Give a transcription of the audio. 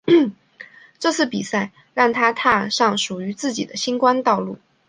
这次比赛让她踏上属于自己的星光道路。